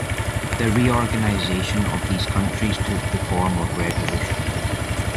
The reorganization of these countries took the form of revolution.